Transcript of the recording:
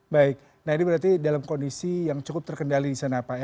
baik nah ini berarti dalam kondisi yang cukup terkendali di sana pak